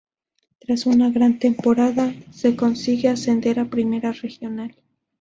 Tras una gran temporada se consigue ascender a Primera Regional.